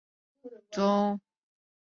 其孙即为宋孝宗。